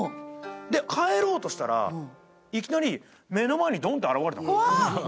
帰ろうとしたらいきなり目の前にドンと現れたの。